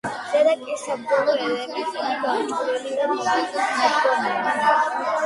ზედა კი საბრძოლო ელემენტებით აღჭურვილი და თავდაცვითი სადგომია.